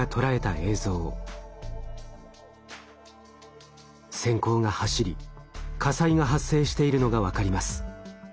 せん光が走り火災が発生しているのが分かります。